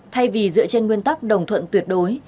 thay vì dựa trên nguyên tắc đồng thuận tuyệt đối